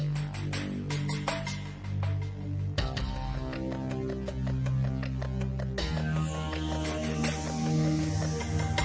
ไปเจอเป็นสภาพยังไงครับน้องเขา